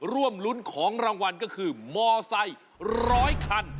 ร่วมรุ้นของรางวัลก็คือมอไซค์ร้อยคัน